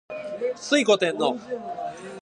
推古天皇